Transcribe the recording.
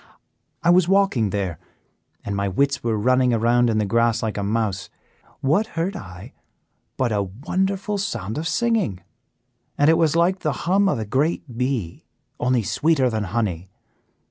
"I was walking there, and my wits were running around in the grass like a mouse. What heard I but a wonderful sound of singing, and it was like the hum of a great bee, only sweeter than honey.